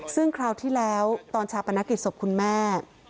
ซึ่งคราวที่แล้วตอนชาปนกิจศพคุณแม่